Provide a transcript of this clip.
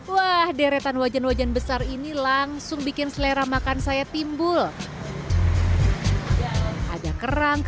wah deretan wajan wajan besar ini langsung bikin selera makan saya timbul ada kerang